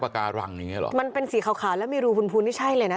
การังอย่างเงี้เหรอมันเป็นสีขาวขาวแล้วมีรูพูนพูนนี่ใช่เลยนะ